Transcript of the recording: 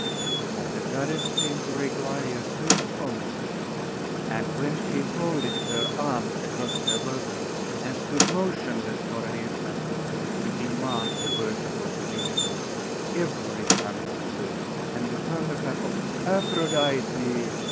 But the goddess seemed to require due homage; and when she folded her arms across her bosom, and stood motionless for an instant, as if to demand the worship of the universe, every tongue was loosed, and a thunder clap of 'Aphrodite!